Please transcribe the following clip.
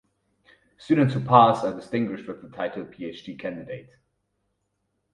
Students who pass are distinguished with the title PhD candidate.